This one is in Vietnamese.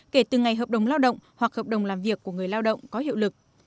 kể từ ngày hợp đồng lao động hoặc hợp đồng làm việc của người lao động có hiệu lực